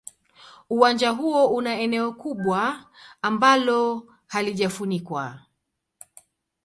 Uwanja huo una eneo kubwa ambalo halijafunikwa.